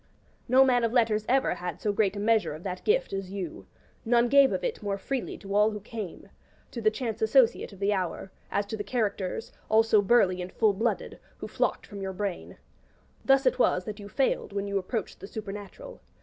No man of letters ever had so great a measure of that gift as you; none gave of it more freely to all who came to the chance associate of the hour, as to the characters, all so burly and full blooded, who flocked from your brain. Thus it was that you failed when you approached the supernatural.